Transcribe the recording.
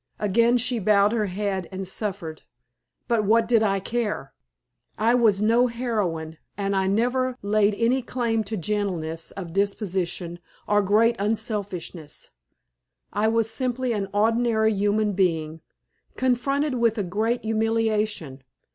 Again she bowed her head and suffered. But what did I care? I was no heroine, and I never laid any claim to gentleness of disposition or great unselfishness. I was simply an ordinary human being, confronted with a great humiliation.